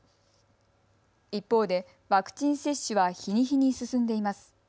一方でワクチン接種は日に日に進んでいます。